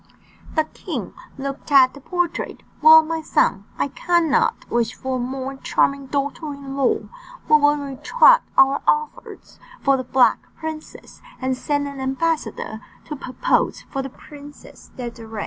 The king looked at the portrait. "Well, my son, I cannot wish for a more charming daughter in law, we will retract our offers for the Black Princess, and send an ambassador to propose for the Princess Désirée."